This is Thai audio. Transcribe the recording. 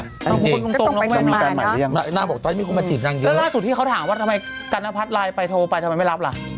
จริงน่าบอกต้อยไม่ควรมาจีบนางเยอะแล้วล่าสุดที่เขาถามว่าทำไมกันพัดไลน์ไปโทรไปทำไมไม่รับล่ะ